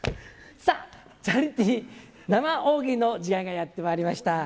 さあ、チャリティー生大喜利の時間がやってまいりました。